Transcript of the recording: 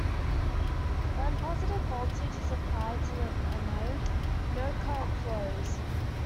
When positive voltage is applied to the anode, no current flows.